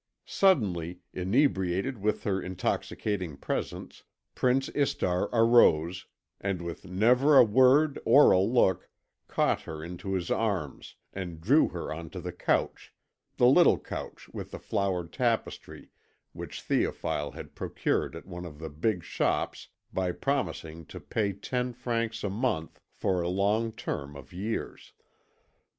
Suddenly, inebriated with her intoxicating presence, Prince Istar arose, and with never a word or a look, caught her into his arms and drew her on to the couch, the little couch with the flowered tapestry which Théophile had procured at one of the big shops by promising to pay ten francs a month for a long term of years.